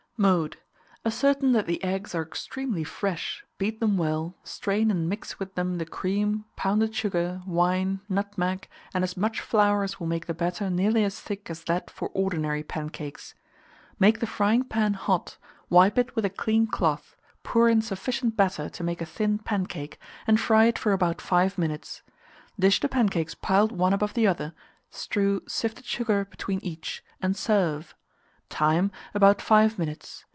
Mode. Ascertain that the eggs are extremely fresh, beat them well, strain and mix with them the cream, pounded sugar, wine, nutmeg, and as much flour as will make the batter nearly as thick as that for ordinary pancakes. Make the frying pan hot, wipe it with a clean cloth, pour in sufficient batter to make a thin pancake, and fry it for about 5 minutes. Dish the pancakes piled one above the other, strew sifted sugar between each, and serve. Time. About 5 minutes.